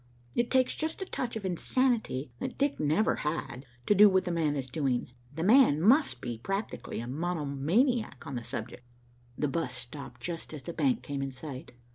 It takes just a touch of insanity that Dick never had, to do what 'the man' is doing. 'The man' must be practically a monomaniac on the subject." The bus stopped just as the Bank came in sight.